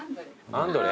アンドレ？